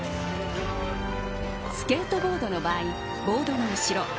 スケートボードの場合ボードの後ろ